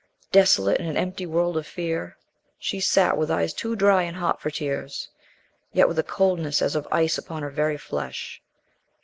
Desolate in an empty world of fear she sat with eyes too dry and hot for tears, yet with a coldness as of ice upon her very flesh.